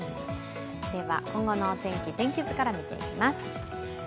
今後のお天気、天気図から見ていきます。